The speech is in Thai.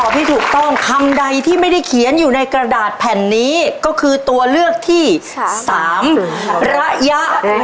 ที่ถูกต้องคำใดที่ไม่ได้เขียนอยู่ในกระดาษแผ่นนี้ก็คือตัวเลือกที่๓ระยะ